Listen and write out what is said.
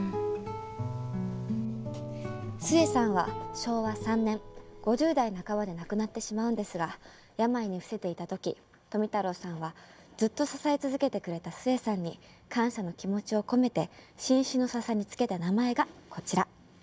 壽衛さんは昭和３年５０代半ばで亡くなってしまうんですが病に伏せていた時富太郎さんはずっと支え続けてくれた壽衛さんに感謝の気持ちを込めて新種のササにつけた名前がこちら。